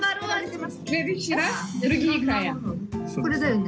これだよね？